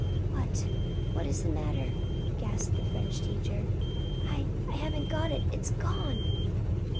"What what is the matter?" gasped the French teacher. "I I haven't got it it is gone!"